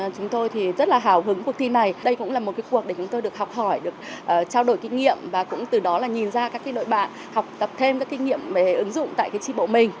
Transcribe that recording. chúng tôi rất hào hứng cuộc thi này đây cũng là một cuộc để chúng tôi được học hỏi được trao đổi kinh nghiệm và cũng từ đó nhìn ra các nội bạn học tập thêm kinh nghiệm về ứng dụng tại tri bộ mình